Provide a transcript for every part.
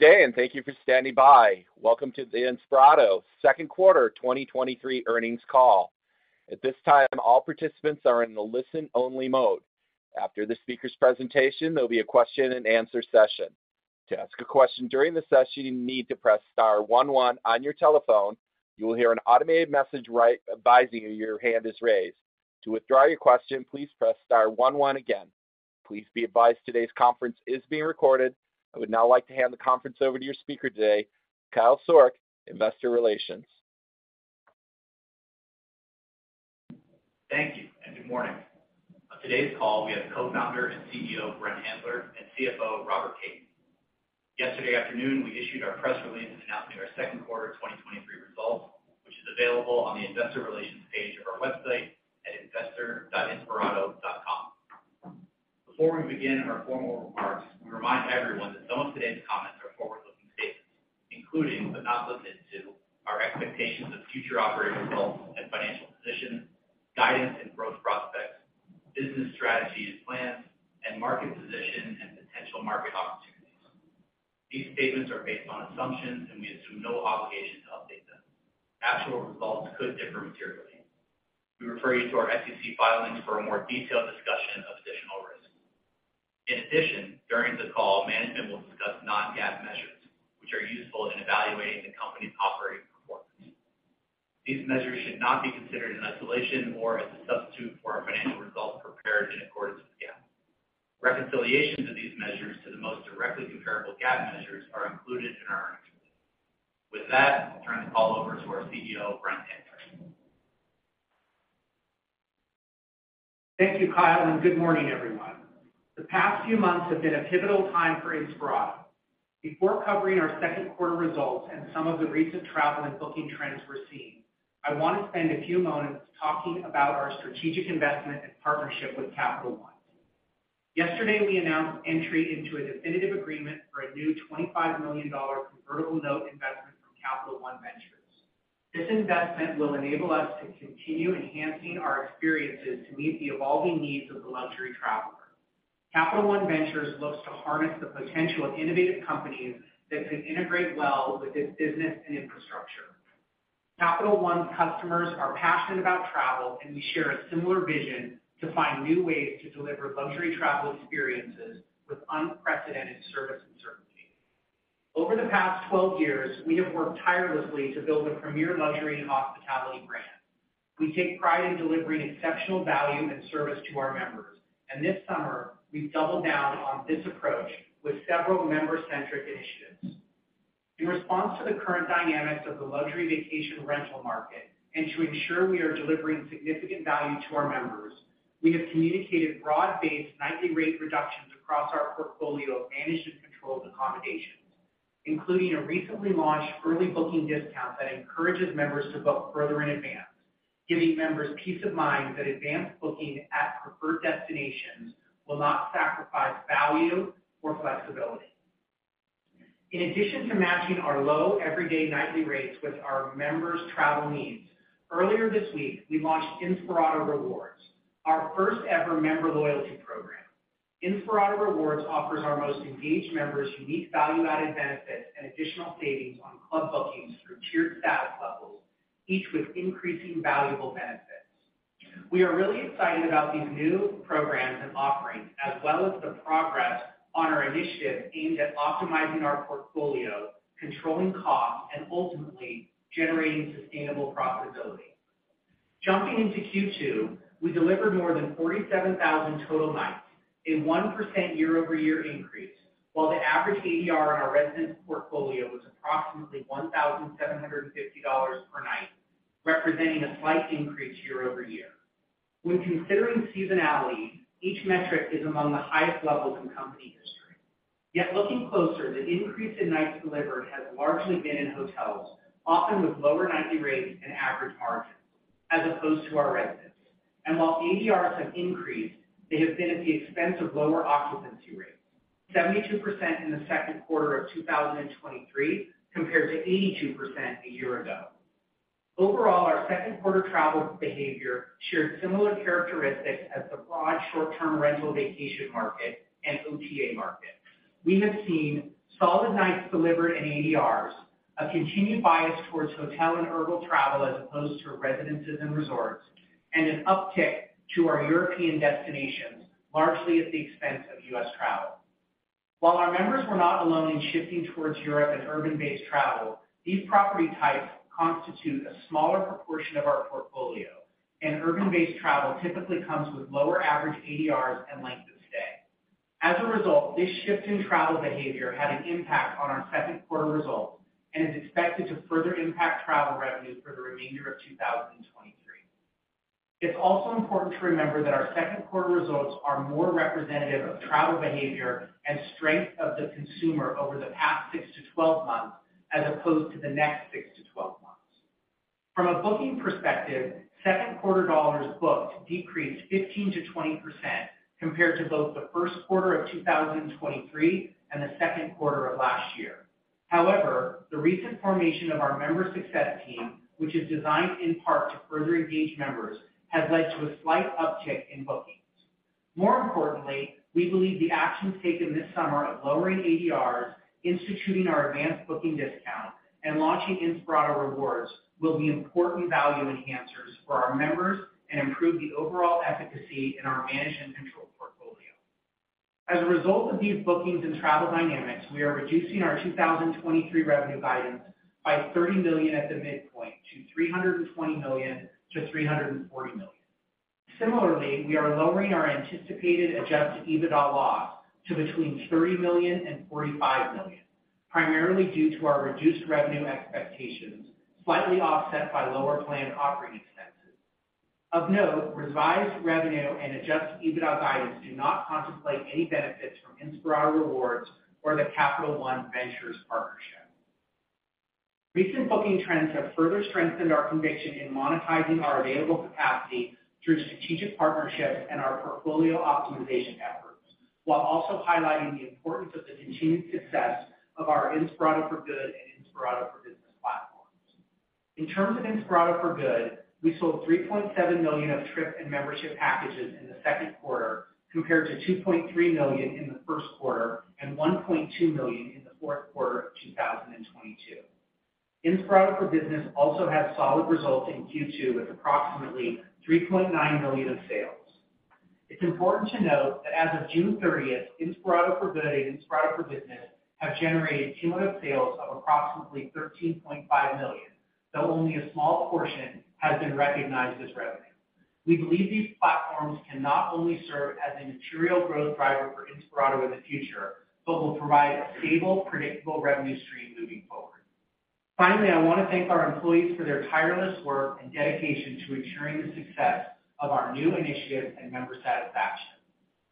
Good day, and thank you for standing by. Welcome to the Inspirato Second Quarter 2023 Earnings Call. At this time, all participants are in the listen-only mode. After the speaker's presentation, there'll be a question-and-answer session. To ask a question during the session, you need to press star one one on your telephone. You will hear an automated message advising you your hand is raised. To withdraw your question, please press star one one again. Please be advised today's conference is being recorded. I would now like to hand the conference over to your speaker today, Kyle Sourk, Investor Relations. Thank you. Good morning. On today's call, we have Co-founder and CEO, Brent Handler, and CFO, Robert Kaiden. Yesterday afternoon, we issued our press release announcing our second quarter 2023 results, which is available on the investor relations page of our website at investor.inspirato.com. Before we begin our formal remarks, we remind everyone that some of today's comments are forward-looking statements, including, but not limited to, our expectations of future operating results and financial position, guidance and growth prospects, business strategies, plans, and market position and potential market opportunities. These statements are based on assumptions. We assume no obligation to update them. Actual results could differ materially. We refer you to our SEC filings for a more detailed discussion of additional risks. During the call, management will discuss non-GAAP measures, which are useful in evaluating the company's operating performance. These measures should not be considered in isolation or as a substitute for our financial results prepared in accordance with GAAP. Reconciliations of these measures to the most directly comparable GAAP measures are included in our earnings. With that, I'll turn the call over to our CEO, Brent Handler. Thank you, Kyle, and good morning, everyone. The past few months have been a pivotal time for Inspirato. Before covering our second quarter results and some of the recent travel and booking trends we're seeing, I want to spend a few moments talking about our strategic investment and partnership with Capital One. Yesterday, we announced entry into a definitive agreement for a new $25 million convertible note investment from Capital One Ventures. This investment will enable us to continue enhancing our experiences to meet the evolving needs of the luxury traveler. Capital One Ventures looks to harness the potential of innovative companies that can integrate well with its business and infrastructure. Capital One customers are passionate about travel, and we share a similar vision to find new ways to deliver luxury travel experiences with unprecedented service and certainty. Over the past 12 years, we have worked tirelessly to build a premier luxury and hospitality brand. We take pride in delivering exceptional value and service to our members, and this summer, we've doubled down on this approach with several member-centric initiatives. In response to the current dynamics of the luxury vacation rental market and to ensure we are delivering significant value to our members, we have communicated broad-based nightly rate reductions across our portfolio of managed and controlled accommodations, including a recently launched early booking discount that encourages members to book further in advance, giving members peace of mind that advanced booking at preferred destinations will not sacrifice value or flexibility. In addition to matching our low everyday nightly rates with our members' travel needs, earlier this week, we launched Inspirato Rewards, our first ever member loyalty program. Inspirato Rewards offers our most engaged members unique value-added benefits and additional savings on club bookings through tiered status levels, each with increasing valuable benefits. We are really excited about these new programs and offerings, as well as the progress on our initiatives aimed at optimizing our portfolio, controlling costs, and ultimately generating sustainable profitability. Jumping into Q2, we delivered more than 47,000 total nights, a 1% year-over-year increase, while the average ADR in our residence portfolio was approximately $1,750 per night, representing a slight increase year-over-year. When considering seasonality, each metric is among the highest levels in company history. Yet looking closer, the increase in nights delivered has largely been in hotels, often with lower nightly rates and average margins as opposed to our residents. While ADRs have increased, they have been at the expense of lower occupancy rates, 72% in the second quarter of 2023, compared to 82% a year ago. Overall, our second quarter travel behavior shared similar characteristics as the broad short-term rental vacation market and OTA market. We have seen solid nights delivered in ADRs, a continued bias towards hotel and urban travel as opposed to residences and resorts, and an uptick to our European destinations, largely at the expense of US travel. While our members were not alone in shifting towards Europe and urban-based travel, these property types constitute a smaller proportion of our portfolio, and urban-based travel typically comes with lower average ADRs and length of stay. As a result, this shift in travel behavior had an impact on our second quarter results and is expected to further impact travel revenues for the remainder of 2023. It's also important to remember that our second quarter results are more representative of travel behavior and strength of the consumer over the past six to 12 months, as opposed to the next six to 12 months. From a booking perspective, second quarter dollars booked decreased 15%-20% compared to both the first quarter of 2023 and the second quarter of last year. However, the recent formation of our Member Success team, which is designed in part to further engage members, has led to a slight uptick in bookings. More importantly, we believe the actions taken this summer of lowering ADRs, instituting our advanced booking discount, and launching Inspirato Rewards will be important value enhancers for our members and improve the overall efficacy in our managed and controlled portfolio. As a result of these bookings and travel dynamics, we are reducing our 2023 revenue guidance by $30 million at the midpoint to $320 million-$340 million. Similarly, we are lowering our anticipated Adjusted EBITDA loss to between $30 million and $45 million, primarily due to our reduced revenue expectations, slightly offset by lower planned operating expenses. Of note, revised revenue and Adjusted EBITDA guidance do not contemplate any benefits from Inspirato Rewards or the Capital One Ventures partnership. Recent booking trends have further strengthened our conviction in monetizing our available capacity through strategic partnerships and our portfolio optimization efforts, while also highlighting the importance of the continued success of our Inspirato for Good and Inspirato for Business platforms. In terms of Inspirato for Good, we sold $3.7 million of trip and membership packages in the second quarter, compared to $2.3 million in the first quarter and $1.2 million in the fourth quarter of 2022. Inspirato for Business also had solid results in Q2, with approximately $3.9 million of sales. It's important to note that as of June 30th, Inspirato for Good and Inspirato for Business have generated cumulative sales of approximately $13.5 million, though only a small portion has been recognized as revenue. We believe these platforms can not only serve as a material growth driver for Inspirato in the future, but will provide a stable, predictable revenue stream moving forward. Finally, I want to thank our employees for their tireless work and dedication to ensuring the success of our new initiatives and member satisfaction.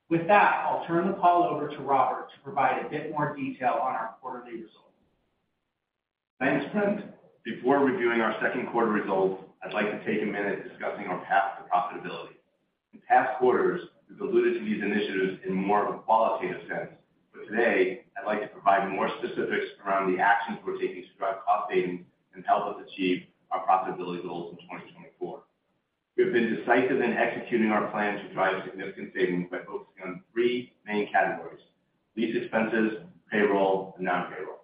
With that, I'll turn the call over to Robert to provide a bit more detail on our quarterly results. Thanks, Brent. Before reviewing our second quarter results, I'd like to take a minute discussing our path to profitability. In past quarters, we've alluded to these initiatives in more of a qualitative sense. Today, I'd like to provide more specifics around the actions we're taking to drive cost savings and help us achieve our profitability goals in 2024. We have been decisive in executing our plan to drive significant savings by focusing on three main categories: lease expenses, payroll, and non-payroll.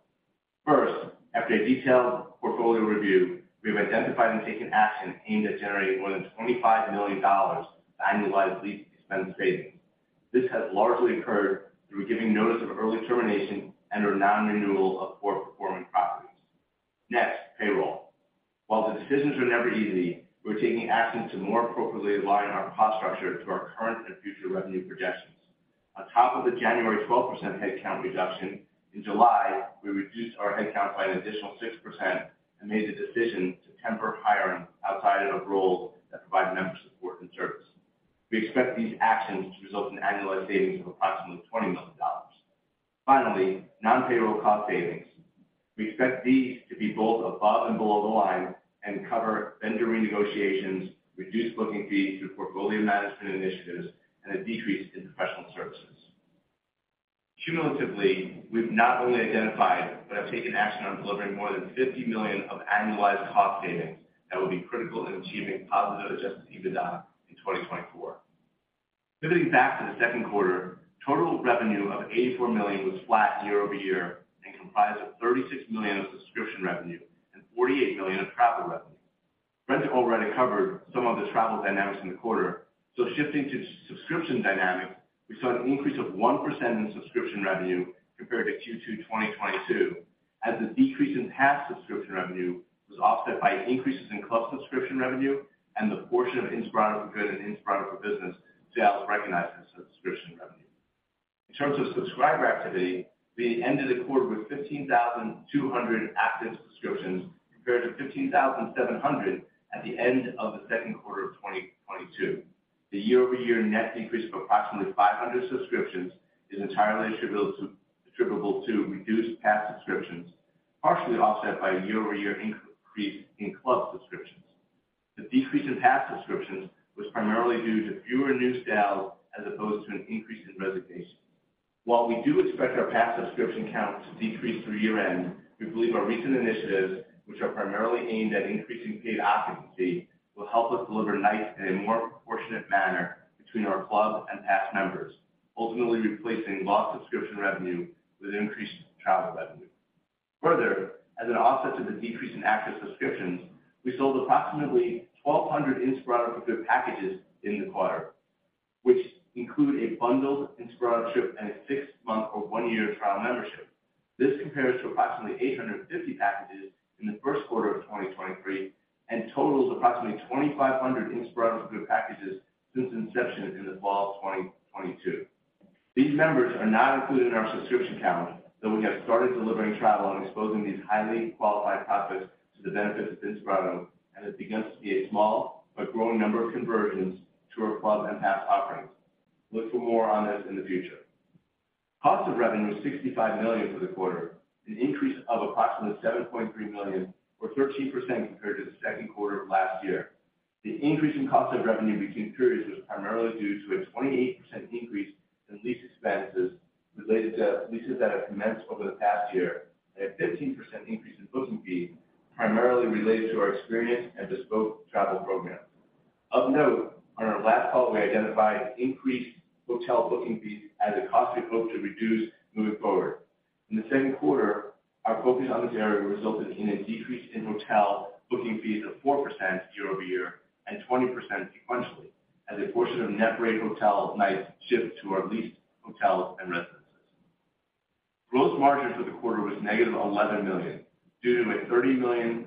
First, after a detailed portfolio review, we have identified and taken action aimed at generating more than $25 million annualized lease expense savings. This has largely occurred through giving notice of early termination and/or non-renewal of poor performing properties. Next, payroll. While the decisions are never easy, we're taking action to more appropriately align our cost structure to our current and future revenue projections. On top of the January 12% headcount reduction, in July, we reduced our headcount by an additional 6% and made the decision to temper hiring outside of roles that provide member support and service. We expect these actions to result in annualized savings of approximately $20 million. Finally, non-payroll cost savings. We expect these to be both above and below the line and cover vendor renegotiations, reduced booking fees through portfolio management initiatives, and a decrease in professional services. Cumulatively, we've not only identified, but have taken action on delivering more than $50 million of annualized cost savings that will be critical in achieving positive Adjusted EBITDA in 2024. Pivoting back to the second quarter, total revenue of $84 million was flat year-over-year and comprised of $36 million of subscription revenue and $48 million of travel revenue. Brent already covered some of the travel dynamics in the quarter, shifting to subscription dynamics, we saw an increase of 1% in subscription revenue compared to Q2 2022, as the decrease in Pass subscription revenue was offset by increases in club subscription revenue and the portion of Inspirato for Good and Inspirato for Business sales recognized as subscription revenue. In terms of subscriber activity, we ended the quarter with 15,200 active subscriptions, compared to 15,700 at the end of the second quarter of 2022. The year-over-year net increase of approximately 500 subscriptions is entirely attributable to, attributable to reduced Pass subscriptions, partially offset by a year-over-year increase in club subscriptions. The decrease in Pass subscriptions was primarily due to fewer new sales as opposed to an increase in resignations. While we do expect our Pass subscription count to decrease through year-end, we believe our recent initiatives, which are primarily aimed at increasing paid occupancy, will help us deliver nights in a more proportionate manner between our club and Pass members, ultimately replacing lost subscription revenue with increased travel revenue. As an offset to the decrease in active subscriptions, we sold approximately 1,200 Inspirato for Good packages in the quarter, which include a bundled Inspirato trip and a six-month or one-year trial membership. This compares to approximately 850 packages in the first quarter of 2023 and totals approximately 2,500 Inspirato for Good packages since inception in the fall of 2022. These members are not included in our subscription count, though we have started delivering travel and exposing these highly qualified prospects to the benefits of Inspirato, and have begun to see a small but growing number of conversions to our club and Pass offerings. Look for more on this in the future. Cost of revenue was $65 million for the quarter, an increase of approximately $7.3 million, or 13% compared to the second quarter of last year. The increase in cost of revenue between periods was primarily due to a 28% increase in lease expenses related to leases that have commenced over the past year and a 15% increase in booking fees, primarily related to our experience and bespoke travel programs. Of note, on our last call, we identified an increased hotel booking fee as a cost we hope to reduce moving forward. In the second quarter, our focus on this area resulted in a decrease in hotel booking fees of 4% year-over-year and 20% sequentially, as a portion of net rate hotel nights shifted to our leased hotels and residences. Gross margins for the quarter was -$11 million, due to a $30 million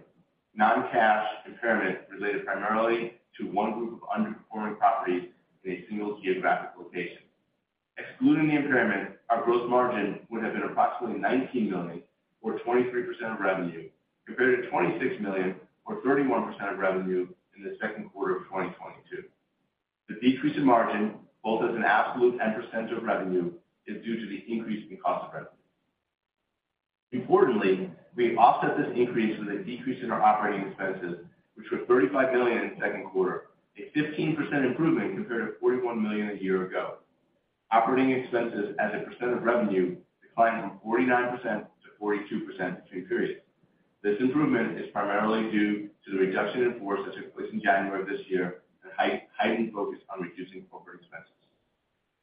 non-cash impairment related primarily to one group of underperforming properties in a single geographic location. Excluding the impairment, our gross margin would have been approximately $19 million or 23% of revenue, compared to $26 million or 31% of revenue in the second quarter of 2022. The decrease in margin, both as an absolute and percentage of revenue, is due to the increase in cost of revenue. Importantly, we offset this increase with a decrease in our operating expenses, which were $35 million in the second quarter, a 15% improvement compared to $41 million a year ago. Operating expenses as a percent of revenue declined from 49% to 42% between periods. This improvement is primarily due to the reduction in force that took place in January of this year, and heightened focus on reducing corporate expenses.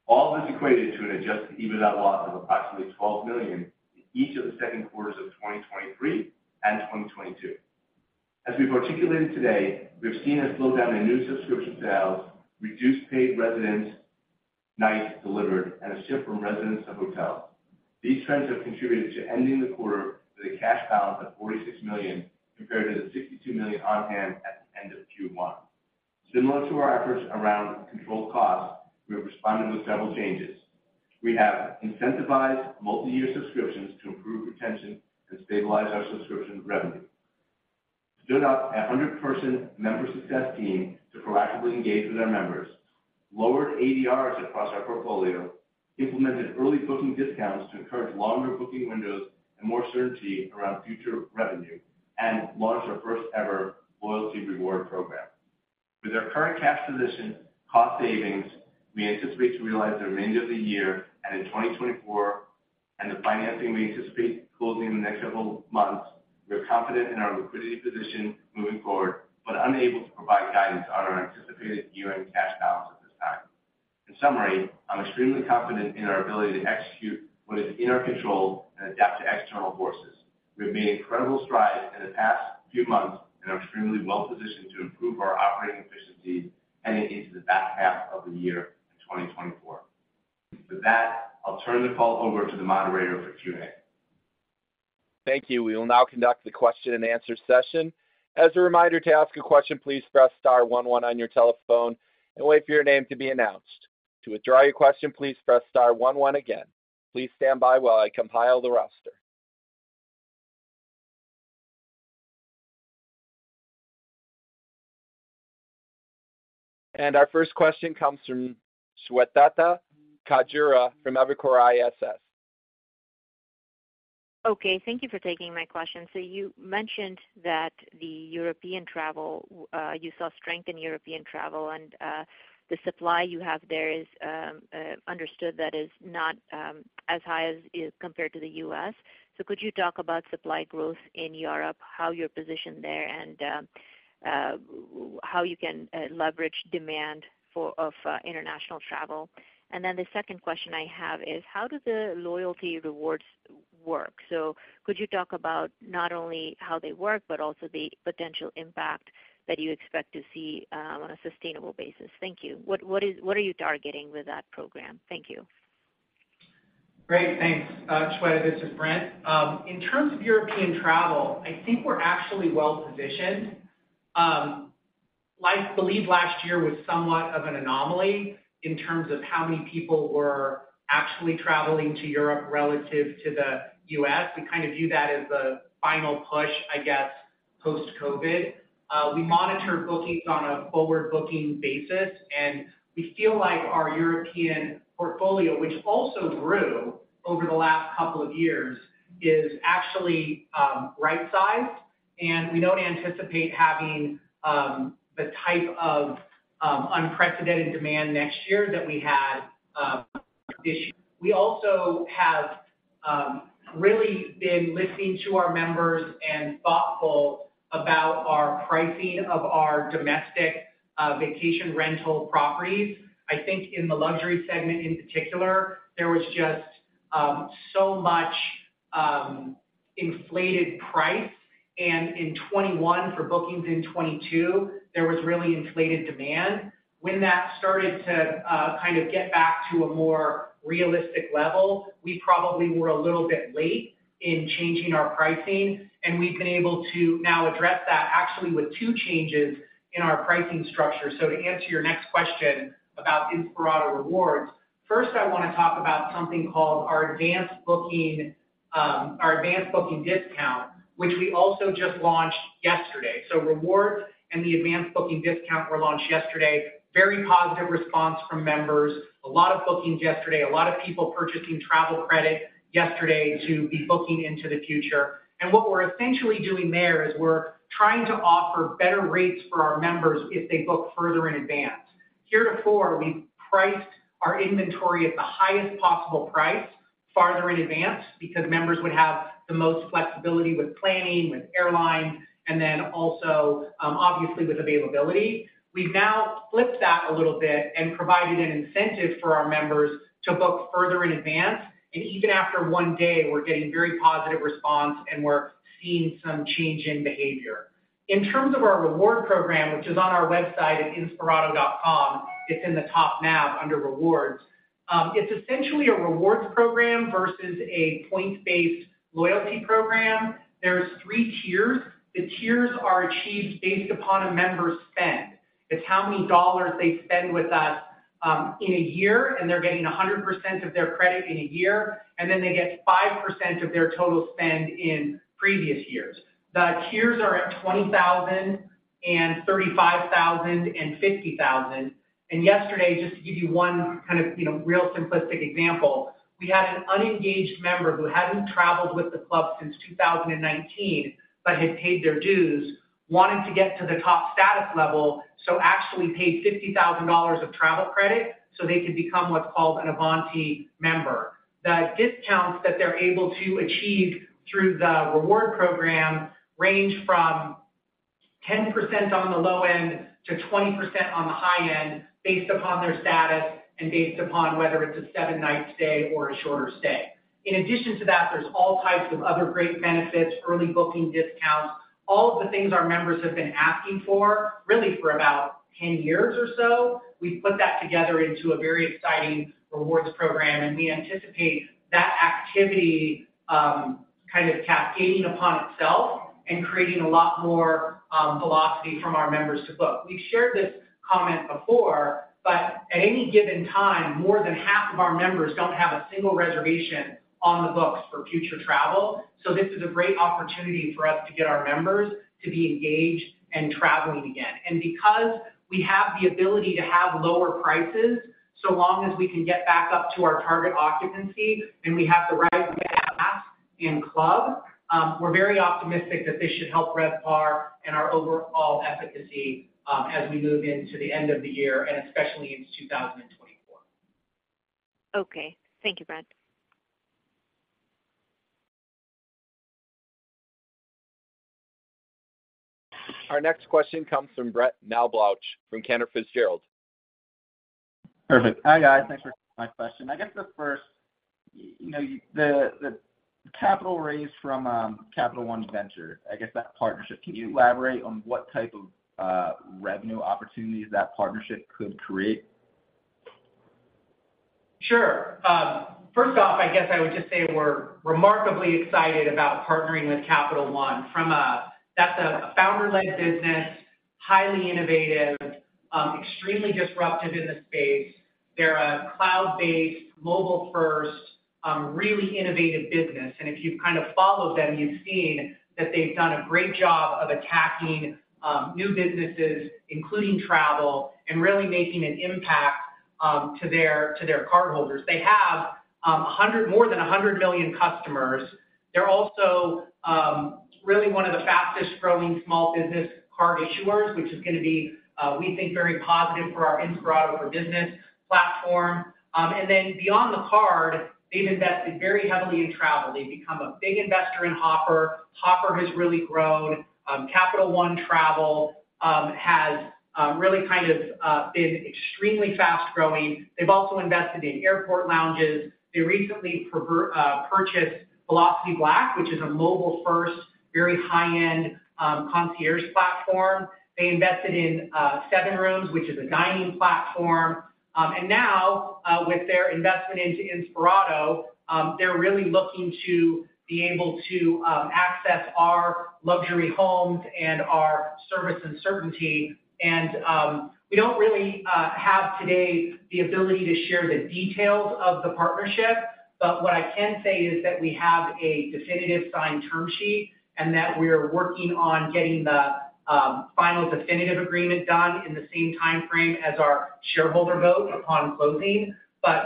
All this equated to an Adjusted EBITDA loss of approximately $12 million in each of the second quarters of 2023 and 2022. As we've articulated today, we've seen a slowdown in new subscription sales, reduced paid residents, nights delivered, and a shift from residents to hotel. These trends have contributed to ending the quarter with a cash balance of $46 million, compared to the $62 million on hand at the end of Q1. Similar to our efforts around controlled costs, we have responded with several changes. We have incentivized multi-year subscriptions to improve retention and stabilize our subscription revenue, stood up a 100-person Member Success team to proactively engage with our members, lowered ADRs across our portfolio, implemented early booking discounts to encourage longer booking windows and more certainty around future revenue, and launched our first-ever loyalty reward program. With our current cash position, cost savings, we anticipate to realize the remainder of the year and in 2024, and the financing we anticipate closing in the next several months, we are confident in our liquidity position moving forward, but unable to provide guidance on our anticipated year-end cash balance at this time. In summary, I'm extremely confident in our ability to execute what is in our control and adapt to external forces. We've made incredible strides in the past few months and are extremely well positioned to improve our operating efficiency heading into the back half of the year in 2024. With that, I'll turn the call over to the moderator for Q&A. Thank you. We will now conduct the question and answer session. As a reminder, to ask a question, please press star 11 on your telephone and wait for your name to be announced. To withdraw your question, please press star 11 again. Please stand by while I compile the roster. Our first question comes from Shweta Khajuria from Evercore ISI. Okay, thank you for taking my question. You mentioned that the European travel, you saw strength in European travel, and the supply you have there is understood that is not as high as is compared to the U.S. Could you talk about supply growth in Europe, how you're positioned there, and how you can leverage demand of international travel? The second question I have is: how do the loyalty rewards work? Could you talk about not only how they work, but also the potential impact that you expect to see on a sustainable basis? Thank you. What are you targeting with that program? Thank you. Great. Thanks, Shweta. This is Brent. In terms of European travel, I think we're actually well positioned. I believe last year was somewhat of an anomaly in terms of how many people were actually traveling to Europe relative to the US. We kind of view that as a final push, I guess, post-COVID. We monitor bookings on a forward-booking basis, and we feel like our European portfolio, which also grew over the last couple of years, is actually right-sized, and we don't anticipate having the type of unprecedented demand next year that we had this year. We also have really been listening to our members and thoughtful about our pricing of our domestic vacation rental properties. I think in the luxury segment in particular, there was just, so much, inflated price. In 2021, for bookings in 2022, there was really inflated demand. When that started to get back to a more realistic level, we probably were a little bit late in changing our pricing. We've been able to now address that actually with two changes in our pricing structure. To answer your next question about Inspirato Rewards, first, I want to talk about something called our Advanced Booking Discount, which we also just launched yesterday. Rewards and the Advanced Booking Discount were launched yesterday. Very positive response from members. A lot of bookings yesterday, a lot of people purchasing travel credit yesterday to be booking into the future. What we're essentially doing there is we're trying to offer better rates for our members if they book further in advance.... heretofore, we've priced our inventory at the highest possible price farther in advance because members would have the most flexibility with planning, with airlines, and then also, obviously, with availability. We've now flipped that a little bit and provided an incentive for our members to book further in advance, and even after one day, we're getting very positive response and we're seeing some change in behavior. In terms of our reward program, which is on our website at Inspirato.com, it's in the top nav under Rewards. It's essentially a rewards program versus a points-based loyalty program. There's three tiers. The tiers are achieved based upon a member's spend. It's how many dollars they spend with us, in a year, and they're getting 100% of their credit in a year, and then they get 5% of their total spend in previous years. The tiers are at 20,000 and 35,000 and 50,000. Yesterday, just to give you one kind of, you know, real simplistic example, we had an unengaged member who hadn't traveled with the club since 2019, but had paid their dues, wanting to get to the top status level, actually paid $50,000 of travel credit so they could become what's called an Avanti member. The discounts that they're able to achieve through the reward program range from 10% on the low end to 20% on the high end, based upon their status and based upon whether it's a seven-night stay or a shorter stay. In addition to that, there's all types of other great benefits, early booking discounts. All of the things our members have been asking for, really for about 10 years or so, we've put that together into a very exciting rewards program. We anticipate that activity, kind of cascading upon itself and creating a lot more velocity from our members to book. We've shared this comment before. At any given time, more than half of our members don't have a single reservation on the books for future travel. This is a great opportunity for us to get our members to be engaged and traveling again. Because we have the ability to have lower prices, so long as we can get back up to our target occupancy and we have the right mix in club, we're very optimistic that this should help RevPAR and our overall efficacy, as we move into the end of the year, and especially into 2024. Okay. Thank you, Brent. Our next question comes from Brett Knoblauch, from Cantor Fitzgerald. Perfect. Hi, guys. Thanks for taking my question. I guess the first, you know, you the, the capital raise from Capital One Ventures, I guess that partnership, can you elaborate on what type of revenue opportunities that partnership could create? Sure. First off, I guess I would just say we're remarkably excited about partnering with Capital One. That's a founder-led business, highly innovative, extremely disruptive in the space. They're a cloud-based, mobile-first, really innovative business, and if you've kind of followed them, you've seen that they've done a great job of attacking new businesses, including travel, and really making an impact to their, to their cardholders. They have more than 100 million customers. They're also really one of the fastest growing small business card issuers, which is gonna be, we think, very positive for our Inspirato for Business platform. Then beyond the card, they've invested very heavily in travel. They've become a big investor in Hopper. Hopper has really grown. Capital One Travel has really kind of been extremely fast growing. They've also invested in airport lounges. They recently purchased Velocity Black, which is a mobile-first, very high-end concierge platform. They invested in SevenRooms, which is a dining platform. Now, with their investment into Inspirato, they're really looking to be able to access our luxury homes and our service and certainty. We don't really have today the ability to share the details of the partnership, but what I can say is that we have a definitive signed term sheet and that we're working on getting the final definitive agreement done in the same timeframe as our shareholder vote upon closing.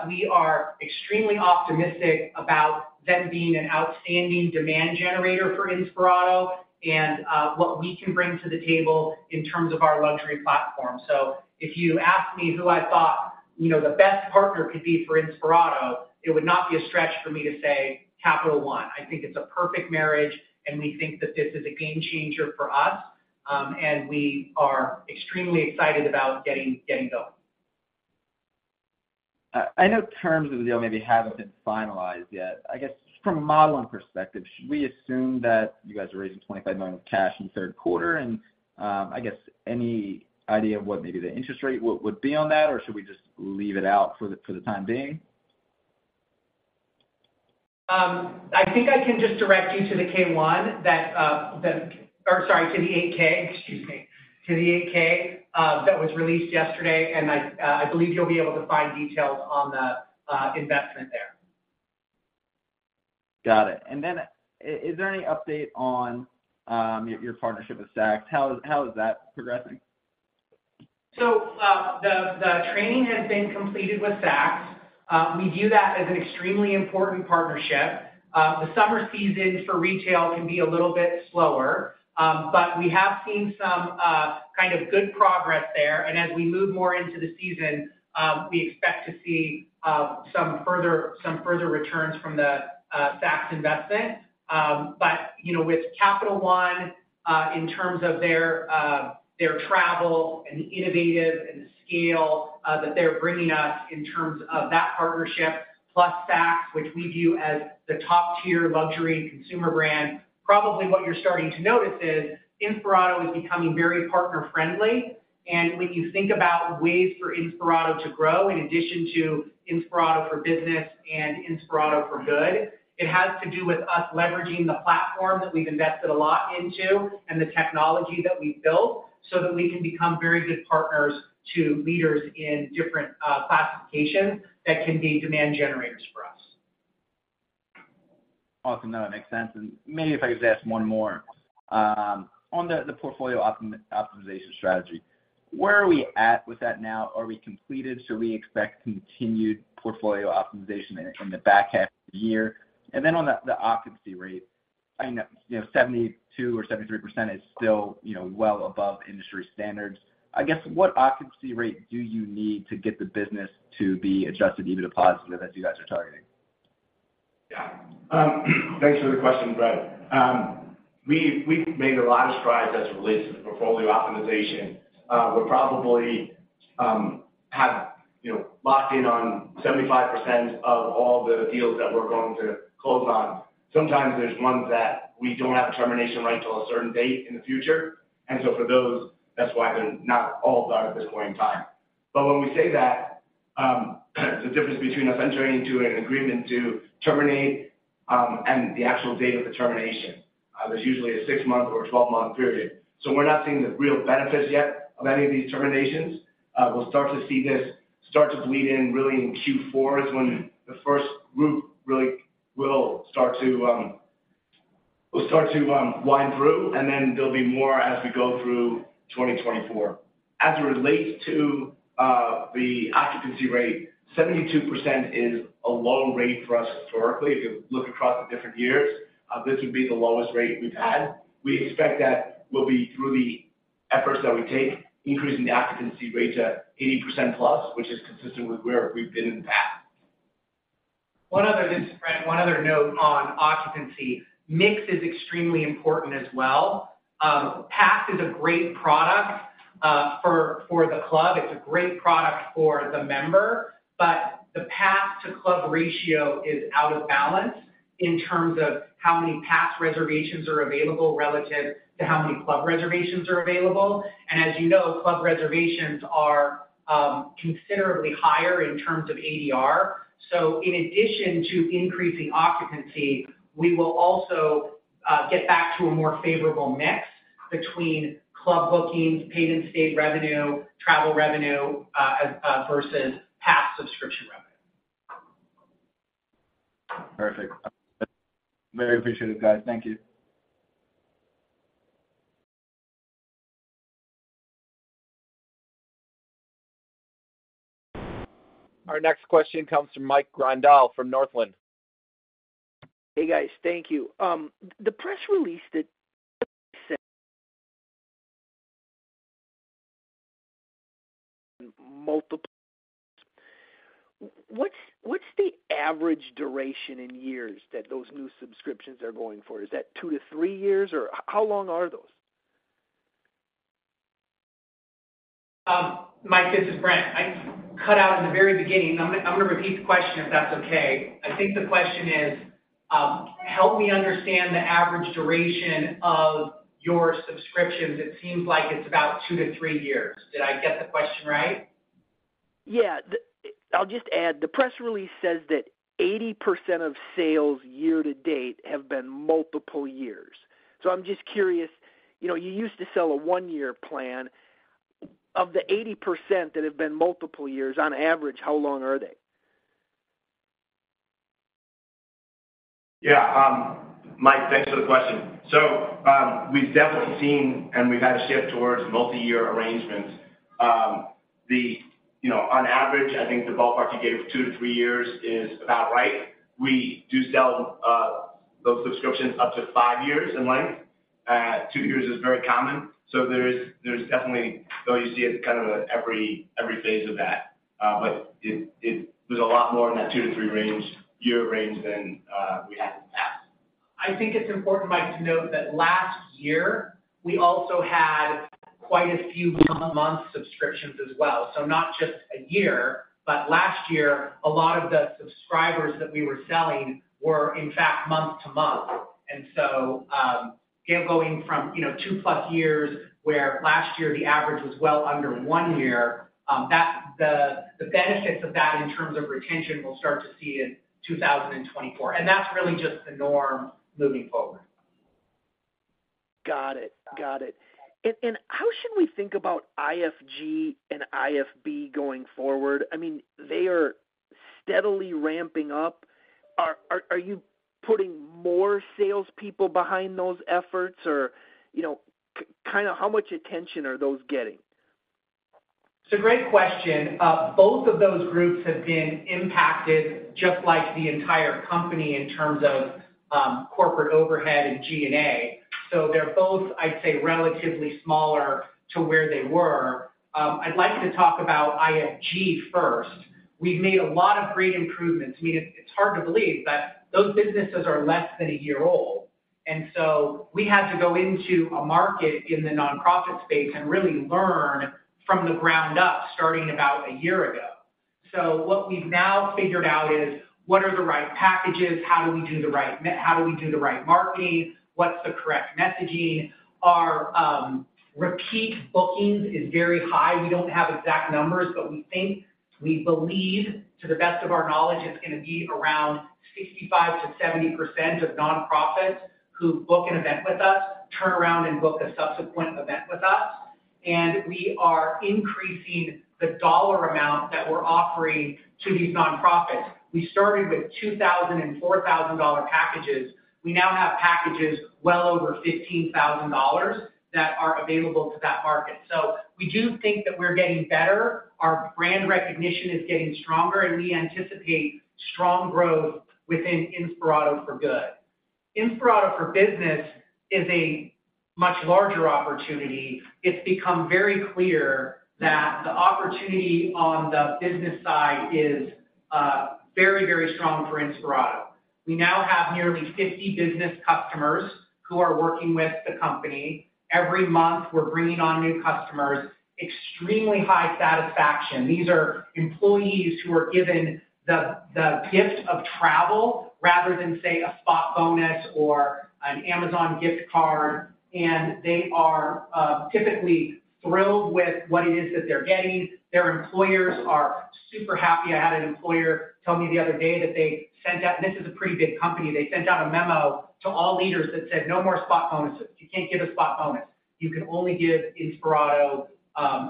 We are extremely optimistic about them being an outstanding demand generator for Inspirato and what we can bring to the table in terms of our luxury platform. If you asked me who I thought, you know, the best partner could be for Inspirato, it would not be a stretch for me to say Capital One. I think it's a perfect marriage, and we think that this is a game changer for us, and we are extremely excited about getting, getting going. I know terms of the deal maybe haven't been finalized yet. I guess from a modeling perspective, should we assume that you guys are raising $25 million of cash in the third quarter? I guess any idea of what maybe the interest rate would, would be on that, or should we just leave it out for the, for the time being? I think I can just direct you to the K-1 that, that, or sorry, to the 8-K, excuse me, to the 8-K, that was released yesterday. I believe you'll be able to find details on the investment there. Got it. Then is there any update on, your, your partnership with Saks? How, how is that progressing? The training has been completed with Saks. We view that as an extremely important partnership. The summer season for retail can be a little bit slower, but we have seen some kind of good progress there. As we move more into the season, we expect to see some further, some further returns from the Saks investment. But, you know, with Capital One, in terms of their, their travel and the innovative and the scale that they're bringing us in terms of that partnership, plus Saks, which we view as the top-tier luxury consumer brand, probably what you're starting to notice is Inspirato is becoming very partner-friendly. When you think about ways for Inspirato to grow, in addition to Inspirato for Business and Inspirato for Good, it has to do with us leveraging the platform that we've invested a lot into and the technology that we've built, so that we can become very good partners to leaders in different classifications that can be demand generators for us. Awesome. No, that makes sense. Maybe if I could just ask one more. On the, the portfolio optimization strategy, where are we at with that now? Are we completed? Should we expect continued portfolio optimization in, in the back half of the year? On the, the occupancy rate, I know, you know, 72% or 73% is still, you know, well above industry standards. I guess, what occupancy rate do you need to get the business to be Adjusted EBITDA positive, as you guys are targeting? Yeah. Thanks for the question, Brent. We've, we've made a lot of strides as it relates to the portfolio optimization. We probably, you know, have locked in on 75% of all the deals that we're going to close on. Sometimes there's ones that we don't have a termination right until a certain date in the future, and so for those, that's why they're not all done at this point in time. When we say that, the difference between us entering into an agreement to terminate, and the actual date of the termination, there's usually a 6-month or a 12-month period. We're not seeing the real benefits yet of any of these terminations. We'll start to see this start to bleed in really in Q4, is when the first group really will start to wind through, and then there'll be more as we go through 2024. As it relates to the occupancy rate, 72% is a low rate for us historically. If you look across the different years, this would be the lowest rate we've had. We expect that we'll be, through the efforts that we take, increasing the occupancy rate to 80%+, which is consistent with where we've been in the past. This is Brent. One other note on occupancy, mix is extremely important as well. Pass is a great product for the club. It's a great product for the member, but the pass-to-club ratio is out of balance in terms of how many pass reservations are available relative to how many club reservations are available. As you know, club reservations are considerably higher in terms of ADR. In addition to increasing occupancy, we will also get back to a more favorable mix between club bookings, paid-in-stay revenue, travel revenue versus pass subscription revenue. Perfect. Very appreciative, guys. Thank you. Our next question comes from Mike Grondahl from Northland. Hey, guys. Thank you. What's, what's the average duration in years that those new subscriptions are going for? Is that two to thre years, or how long are those? Mike, this is Brent. I cut out in the very beginning. I'm gonna, I'm gonna repeat the question, if that's okay. I think the question is, help me understand the average duration of your subscriptions. It seems like it's about two to three years. Did I get the question right? Yeah. I'll just add, the press release says that 80% of sales year to date have been multiple years. I'm just curious, you know, you used to sell a one-year plan. Of the 80% that have been multiple years, on average, how long are they? Yeah, Mike, thanks for the question. We've definitely seen, and we've had a shift towards multiyear arrangements. You know, on average, I think the ballpark you gave of two to three years is about right. We do sell those subscriptions up to five years in length. two years is very common, so there is, there's definitely, though you see it, kind of every, every phase of that. There's a lot more in that 2- to 3-year range than we had in the past. I think it's important, Mike, to note that last year, we also had quite a few month-to-month subscriptions as well. Not just a year, but last year, a lot of the subscribers that we were selling were, in fact, month-to-month. Again, going from, you know, two plus years, where last year the average was well under one year, the benefits of that in terms of retention, we'll start to see in 2024. That's really just the norm moving forward. Got it. Got it. How should we think about IFG and IFB going forward? I mean, they are steadily ramping up. Are you putting more salespeople behind those efforts or, you know, kind of how much attention are those getting? It's a great question. Both of those groups have been impacted, just like the entire company, in terms of corporate overhead and G&A. They're both, I'd say, relatively smaller to where they were. I'd like to talk about IFG first. We've made a lot of great improvements. It's hard to believe that those businesses are less than a year old. We had to go into a market in the nonprofit space and really learn from the ground up, starting about a year ago. What we've now figured out is: what are the right packages? How do we do the right marketing? What's the correct messaging? Our repeat bookings is very high. We don't have exact numbers, but we think, we believe, to the best of our knowledge, it's gonna be around 65%-70% of nonprofits who book an event with us, turn around and book a subsequent event with us. We are increasing the dollar amount that we're offering to these nonprofits. We started with $2,000 and $4,000 packages. We now have packages well over $15,000 that are available to that market. We do think that we're getting better, our brand recognition is getting stronger, and we anticipate strong growth within Inspirato for Good. Inspirato for Business is a much larger opportunity. It's become very clear that the opportunity on the business side is very, very strong for Inspirato. We now have nearly 50 business customers who are working with the company. Every month, we're bringing on new customers, extremely high satisfaction. These are employees who are given the, the gift of travel rather than, say, a spot bonus or an Amazon gift card, and they are typically thrilled with what it is that they're getting. Their employers are super happy. I had an employer tell me the other day that they sent out... This is a pretty big company. They sent out a memo to all leaders that said, "No more spot bonuses. You can't get a spot bonus. You can only give Inspirato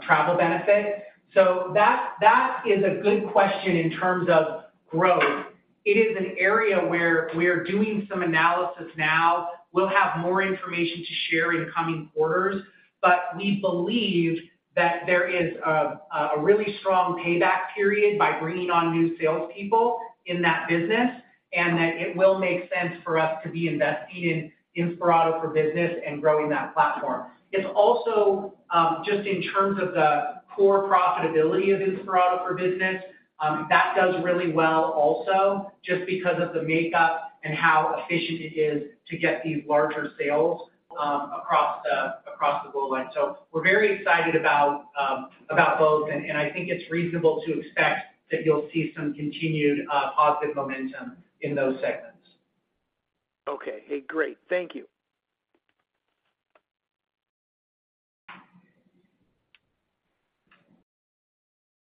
travel benefit." That, that is a good question in terms of growth. It is an area where we are doing some analysis now. We'll have more information to share in coming quarters, but we believe that there is a, a really strong payback period by bringing on new salespeople in that business, and that it will make sense for us to be invested in Inspirato for Business and growing that platform. It's also, just in terms of the core profitability of Inspirato for Business, that does really well also, just because of the makeup and how efficient it is to get these larger sales, across the, across the goal line. We're very excited about, about both, and, and I think it's reasonable to expect that you'll see some continued, positive momentum in those segments. Okay. Hey, great. Thank you.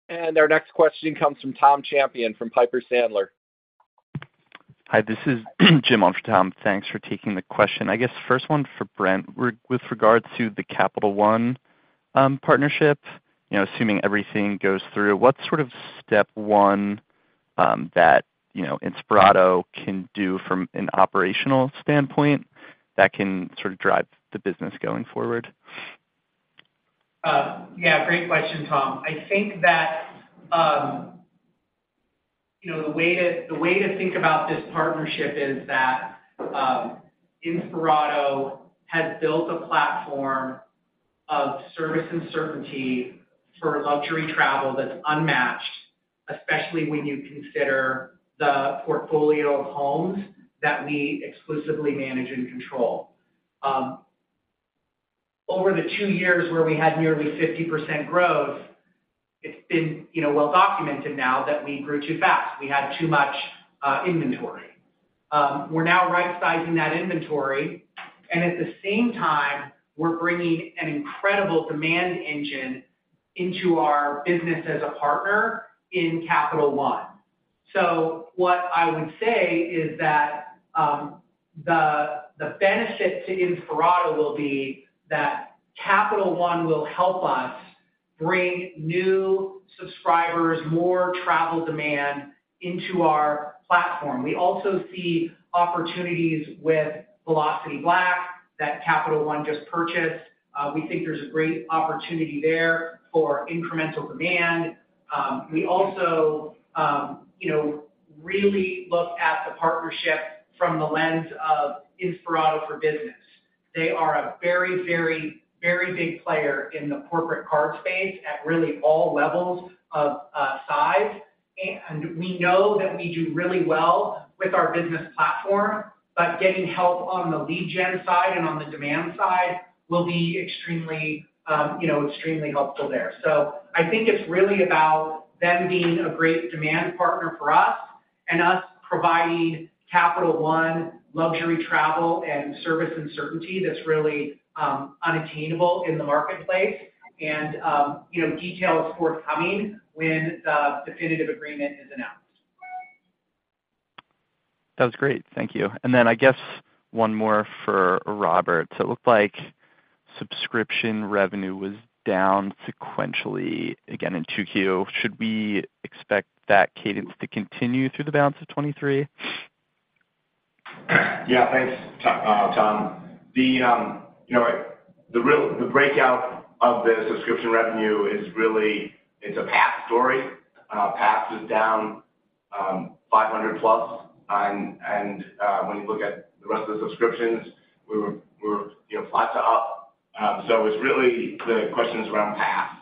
Our next question comes from Tom Champion, from Piper Sandler. Hi, this is Jim on for Tom. Thanks for taking the question. I guess, first one for Brent. With regards to the Capital One partnership, you know, assuming everything goes through, what sort of step one, that, you know, Inspirato can do from an operational standpoint, that can sort of drive the business going forward? Yeah, great question, Tom. I think that, you know, the way to think about this partnership is that Inspirato has built a platform of service and certainty for luxury travel that's unmatched, especially when you consider the portfolio of homes that we exclusively manage and control. Over the two years where we had nearly 50% growth, it's been, you know, well documented now that we grew too fast. We had too much inventory. We're now right-sizing that inventory, and at the same time, we're bringing an incredible demand engine into our business as a partner in Capital One. What I would say is that the benefit to Inspirato will be that Capital One will help us bring new subscribers, more travel demand into our platform. We also see opportunities with Velocity Black, that Capital One just purchased. We think there's a great opportunity there for incremental demand. We also, you know, really look at the partnership from the lens of Inspirato for Business. They are a very, very, very big player in the corporate card space at really all levels of size, and we know that we do really well with our business platform, but getting help on the lead gen side and on the demand side will be extremely, you know, extremely helpful there. I think it's really about them being a great demand partner for us, and us providing Capital One luxury travel and service and certainty that's really unattainable in the marketplace. You know, details forthcoming when the definitive agreement is announced. That's great, thank you. Then I guess one more for Robert. It looked like subscription revenue was down sequentially again in 2Q. Should we expect that cadence to continue through the balance of 2023? Yeah, thanks, Tom. The, you know, the breakout of the subscription revenue is really, it's a Pass story. Pass is down 500+, and, and, when you look at the rest of the subscriptions, we were, we were, you know, flat to up. It's really the questions around Pass.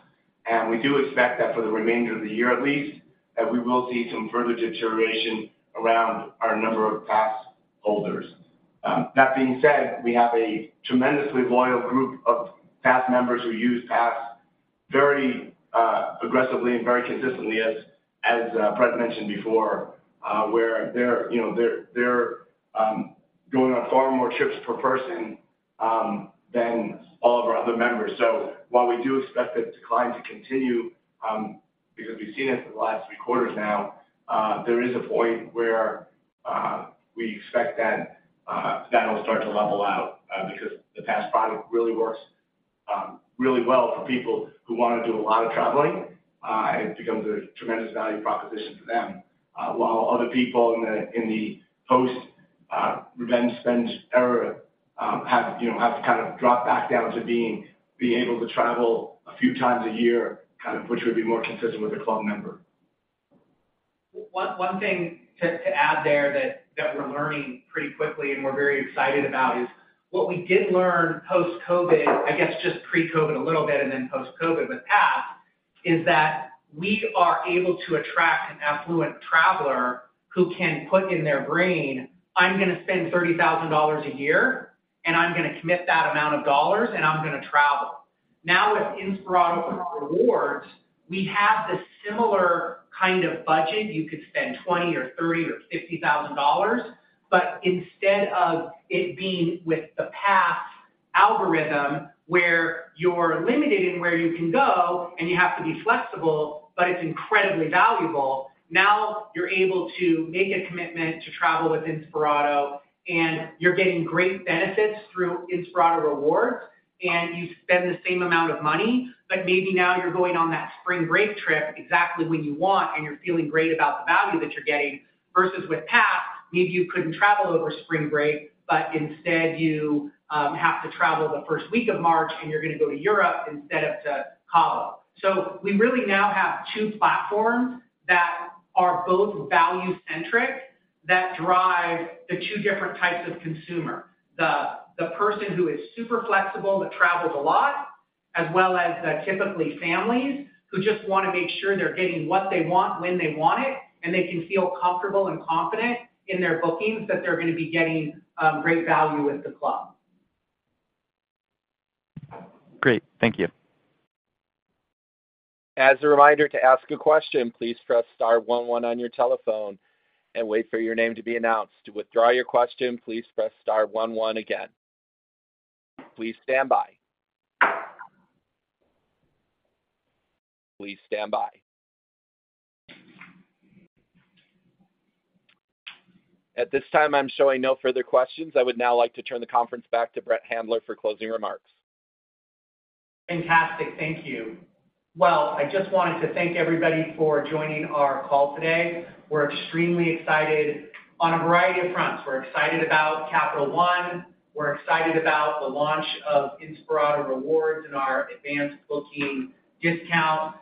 We do expect that for the remainder of the year at least, that we will see some further deterioration around our number of Pass holders. That being said, we have a tremendously loyal group of Pass members who use Pass very, aggressively and very consistently, as, as, Brett mentioned before, where they're, you know, they're, they're, going on far more trips per person, than all of our other members. While we do expect the decline to continue, because we've seen it for the last three quarters now, there is a point where we expect that that'll start to level out, because the Pass product really works really well for people who wanna do a lot of traveling, and it becomes a tremendous value proposition for them. While other people in the, in the post, revenge spend era, have, you know, have to kind of drop back down to being, being able to travel a few times a year, kind of which would be more consistent with a club member. One, one thing to, to add there that, that we're learning pretty quickly and we're very excited about is what we did learn post-COVID, I guess just pre-COVID a little bit and then post-COVID with Pass, is that we are able to attract an affluent traveler who can put in their brain, "I'm gonna spend $30,000 a year, and I'm gonna commit that amount of dollars, and I'm gonna travel." With Inspirato Rewards, we have this similar kind of budget. You could spend $20,000 or $30,000 or $50,000, instead of it being with the Pass algorithm, where you're limited in where you can go and you have to be flexible, but it's incredibly valuable, now you're able to make a commitment to travel with Inspirato, you're getting great benefits through Inspirato Rewards, you spend the same amount of money. Maybe now you're going on that spring break trip exactly when you want, and you're feeling great about the value that you're getting. Versus with Pass, maybe you couldn't travel over spring break, but instead, you have to travel the first week of March, and you're gonna go to Europe instead of to Cabo. We really now have two platforms that are both value-centric, that drive the two different types of consumer. The person who is super flexible, that travels a lot, as well as typically families, who just wanna make sure they're getting what they want, when they want it, and they can feel comfortable and confident in their bookings that they're gonna be getting great value with the club. Great. Thank you. As a reminder to ask a question, please press star one one on your telephone and wait for your name to be announced. To withdraw your question, please press star one one again. Please stand by. Please stand by. At this time, I'm showing no further questions. I would now like to turn the conference back to Brent Handler for closing remarks. Fantastic. Thank you. Well, I just wanted to thank everybody for joining our call today. We're extremely excited on a variety of fronts. We're excited about Capital One, we're excited about the launch of Inspirato Rewards and our advanced booking discount.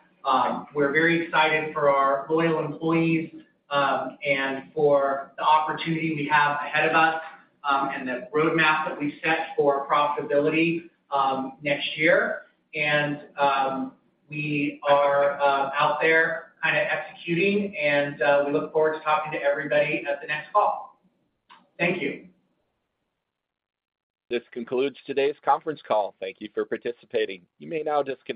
We're very excited for our loyal employees, and for the opportunity we have ahead of us, and the roadmap that we've set for profitability, next year. We are out there executing and we look forward to talking to everybody at the next call. Thank you. This concludes today's conference call. Thank you for participating. You may now disconnect.